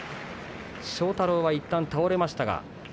庄太郎は、いったん倒れました。